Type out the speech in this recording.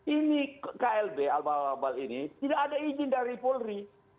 ini klb abal abal ini tidak ada izin dari polri